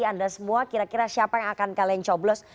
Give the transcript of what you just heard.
anda semua kira kira siapa yang akan kalian coblos